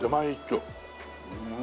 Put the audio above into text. うん。